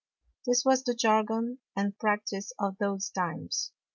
This was the Jargon and Practice of those Times.